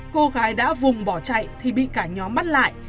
cô gái đã vùng bỏ chạy thì bị cả nhóm bắt lại